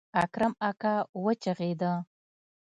اکرم اکا وچغېده.